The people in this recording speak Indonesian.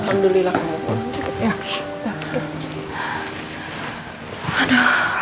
alhamdulillah kamu pulang